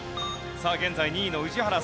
さあ現在２位の宇治原さん。